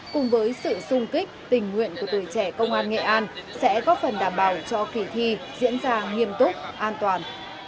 cùng với sự sung kích tình nguyện của tuổi trẻ công an nghệ an sẽ góp phần đảm bảo cho kỳ thi diễn ra nghiêm túc an toàn